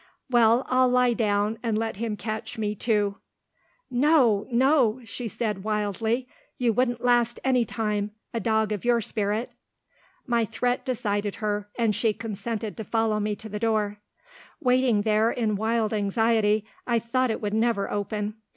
"Well, I'll lie down, and let him catch me, too." "No, no," she said wildly. "You wouldn't last any time a dog of your spirit." My threat decided her, and she consented to follow me to the door. Waiting there in wild anxiety, I thought it would never open.